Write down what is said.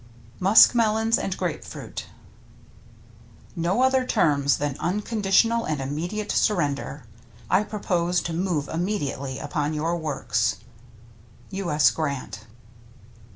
2x Htlffttietr Mtttiptu \p MUSK MELONS AND GRAPE FRUIT No other terms than unconditional and immedi ate surrender. I propose to move immediately upon your works. — U. S. Grant.